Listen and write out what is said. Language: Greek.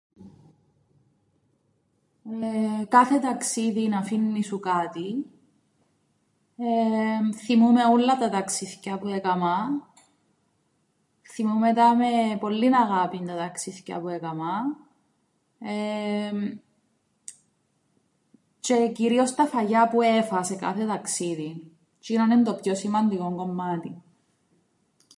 Κάθε ταξίδιν αφήννει σου κάτι εεε θθυμούμαι ούλλα ταξίθκια που έκαμα θθυμούμαι τα με πολλήν αγάπη τα ταξίθκια που έκαμα εεεμ τζ̆αι κυρίως τα φαγιά που έφα' σε κάθε ταξίδιν τζ̆είνον εν' το πιο σημαντικόν κομμάτιν.